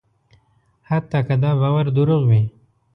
حتی که دا باور دروغ وي.